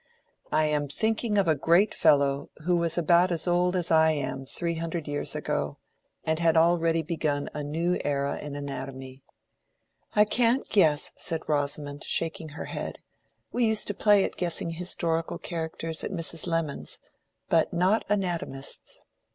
"I am thinking of a great fellow, who was about as old as I am three hundred years ago, and had already begun a new era in anatomy." "I can't guess," said Rosamond, shaking her head. "We used to play at guessing historical characters at Mrs. Lemon's, but not anatomists."